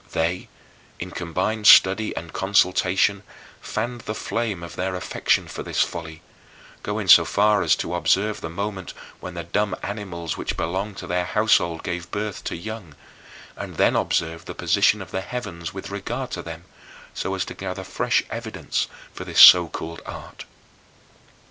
They, in combined study and consultation, fanned the flame of their affection for this folly, going so far as to observe the moment when the dumb animals which belonged to their household gave birth to young, and then observed the position of the heavens with regard to them, so as to gather fresh evidence for this so called art.